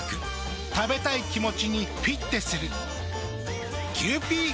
食べたい気持ちにフィッテする。